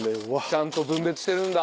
ちゃんと分別してるんだ。